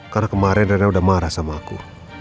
karena kemarin rena udah marah sama aku